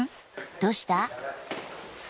どうした？